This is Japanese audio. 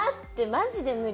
マジで無理。